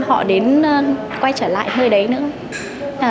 họ đến quay trở lại nơi đấy nữa